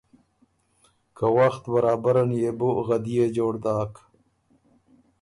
که وخت برابر ان يې بو غدئے جوړ داک،